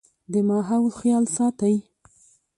د ماحول خيال ساتئ